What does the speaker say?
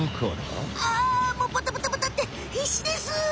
あもうバタバタバタって必死です！